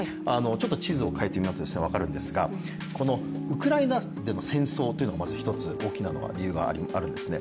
地図を変えてみると分かるんですがウクライナでの戦争というのがまず１つ大きな理由があるんですね。